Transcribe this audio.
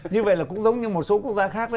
như vậy là cũng giống như một số quốc gia khác